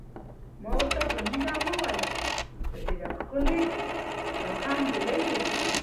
ما ورته په مینه وویل: ته ډېره ښکلې او ښه نجلۍ یې.